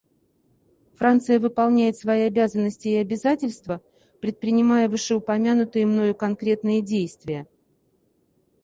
Франция выполняет свои обязанности и обязательства, предпринимая вышеупомянутые мною конкретные действия.